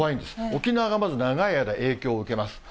沖縄がまず長い間、影響を受けます。